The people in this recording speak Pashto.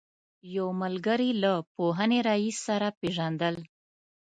یو ملګري له پوهنې رئیس سره پېژندل.